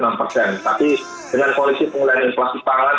tapi dengan kondisi penggunaan inflasi pangan